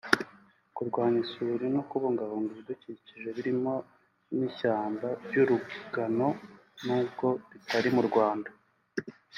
kurwanya isuri no kubungabunga ibidukikije birimo n’ishyamba ry’Urugano nubwo ritari mu Rwanda